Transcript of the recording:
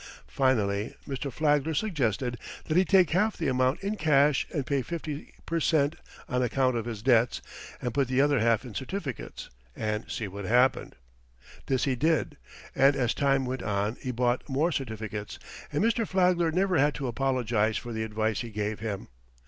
Finally Mr. Flagler suggested that he take half the amount in cash and pay 50 per cent. on account of his debts, and put the other half in certificates, and see what happened. This he did, and as time went on he bought more certificates, and Mr. Flagler never had to apologize for the advice he gave him.